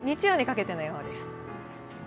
続いて日曜にかけての予報です。